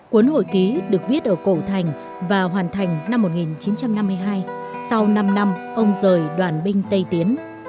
cuốn hội ký được viết ở cổ thành và hoàn thành năm một nghìn chín trăm năm mươi hai sau năm năm ông rời đoàn binh tây tiến